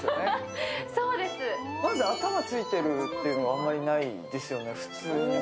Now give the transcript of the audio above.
まず、頭ついてるのはあまりないですよね、普通。